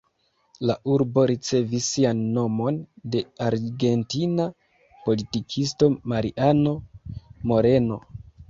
La urbo ricevis sian nomon de argentina politikisto Mariano Moreno.